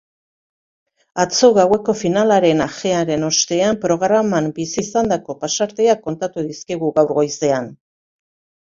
Atzo gaueko finalaren ajearen ostean programan bizi izandako pasarteak kontatu dizkigu gaur goizean.